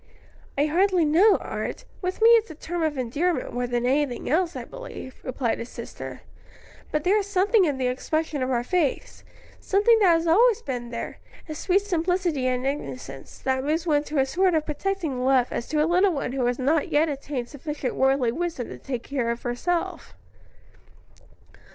"I hardly know, Art; with me it's a term of endearment more than anything else, I believe," replied his sister; "but there is something in the expression of her face something that has always been there, a sweet simplicity and innocence that moves one to a sort of protecting love as to a little one who has not yet attained sufficient worldly wisdom to take care of herself."